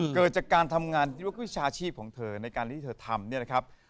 เกิดจากการทำงานที่ว่าวิชาชีพของเธอในการที่เธอทำเนี่ยนะครับ